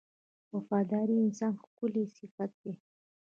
• وفاداري د انسان ښکلی صفت دی.